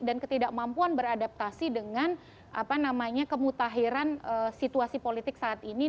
dan ketidakmampuan beradaptasi dengan kemutahiran situasi politik saat ini